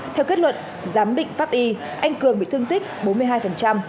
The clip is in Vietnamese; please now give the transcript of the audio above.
theo kết luận giám định pháp y anh cường bị thương tích bốn mươi hai